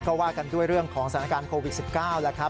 ก็ว่ากันด้วยเรื่องของสถานการณ์โควิด๑๙แล้วครับ